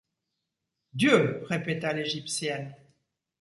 Dieu! répéta l’égyptienne.